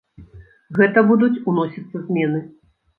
Гэта будуць уносіцца змены.